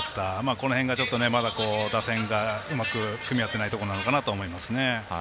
この辺がちょっと打線が、うまくかみ合ってないところなのかなと思いますね。